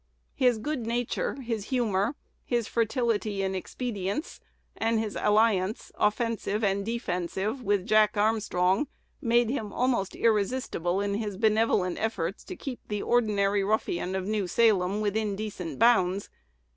His good nature, his humor, his fertility in expedients, and his alliance, offensive and defensive, with Jack Armstrong, made him almost irresistible in his benevolent efforts to keep the ordinary ruffian of New Salem within decent bounds.